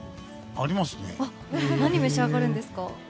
何を召し上がるんですか？